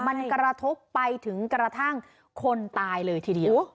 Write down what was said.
มันกระทบไปถึงกระทั่งคนตายเลยทีเดียว